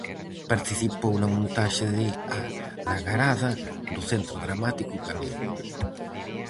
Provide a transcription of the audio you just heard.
Participou na montaxe de "A lagarada" do Centro Dramático Galego.